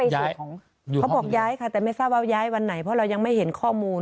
เขาบอกย้ายค่ะแต่ไม่ทราบว่าย้ายวันไหนเพราะเรายังไม่เห็นข้อมูล